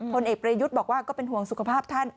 เอกประยุทธ์บอกว่าก็เป็นห่วงสุขภาพท่าน